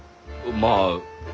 まあ。